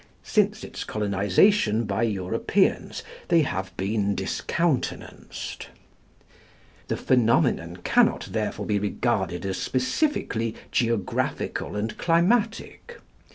Since its colonisation by Europeans they have been discountenanced. The phenomenon cannot therefore be regarded as specifically geographical and climatic.